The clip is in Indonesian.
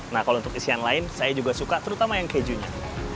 nah kalau untuk isian lain saya juga suka terutama yang kejunya